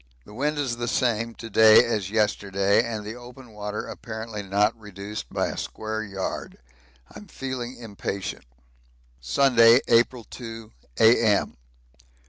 The wind is the same to day as yesterday, and the open water apparently not reduced by a square yard. I'm feeling impatient. Sunday, April 2, A.M.